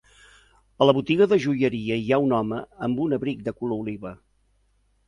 A la botiga de joieria hi ha un home amb un abric de color oliva.